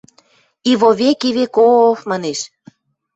–...и во веки веко-о-о-ов... – манеш.